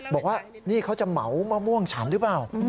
บอกว่านี่เขาจะเหมามะม่วงฉันหรือเปล่า